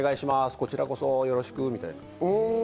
こちらこそ、よろしくみたいな。